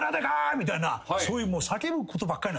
みたいなそういう叫ぶことばっかり。